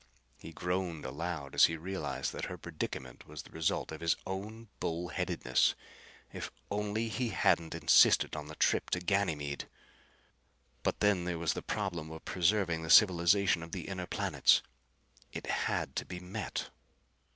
He groaned aloud as he realized that her predicament was the result of his own bullheadedness. If only he hadn't insisted on the trip to Ganymede. But then there was the problem of preserving the civilization of the inner planets. It had to be met.